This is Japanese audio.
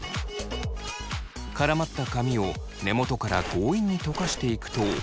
絡まった髪を根元から強引にとかしていくと。